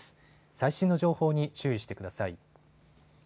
最新の情報に注意してください。